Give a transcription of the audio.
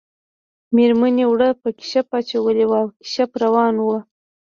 میرمنې اوړه په کشپ اچولي وو او کشپ روان شو